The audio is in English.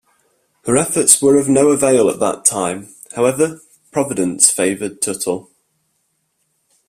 Her efforts were of no avail at that time; however, providence favored Tuttle.